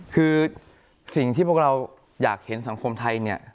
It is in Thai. คือสิ่งที่พวกเราอยากเห็นสังคมไทยเนี่ย